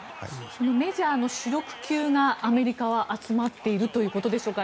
メジャーの主力級がアメリカは集まっているということでしょうか。